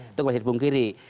itu masih dipungkiri